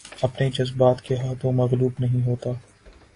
اپنے جذبات کے ہاتھوں مغلوب نہیں ہوتا